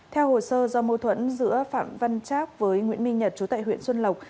theo hồ sơ do mâu thuẫn giữa phạm văn trác với nguyễn minh nhật chú tại huyện xuân lộc